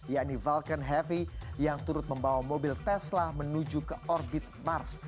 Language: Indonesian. yakni falcon heavy yang turut membawa mobil tesla menuju ke orbit mars